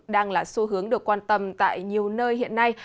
đang là xu hướng được quan tâm tại nhiều nơi hiện nay